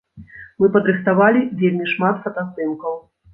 Мы падрыхтавалі вельмі шмат фотаздымкаў.